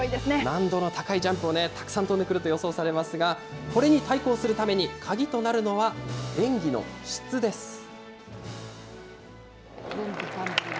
難度の高いジャンプをたくさん跳んでくると予想されますが、これに対抗するために、鍵となるのは、演技の質です。